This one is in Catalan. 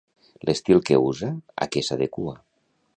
L'estil que usa, a què s'adequa?